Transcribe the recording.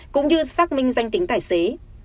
cũng như xác minh danh tính tài xế